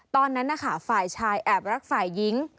ตอนนั้นนะคะฝ่ายชายแอบรักฝ่ายหญิง